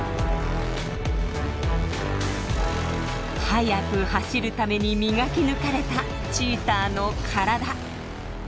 速く走るために磨き抜かれたチーターの体。